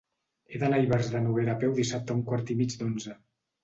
He d'anar a Ivars de Noguera a peu dissabte a un quart i mig d'onze.